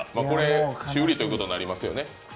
これ、修理ということになりますよね？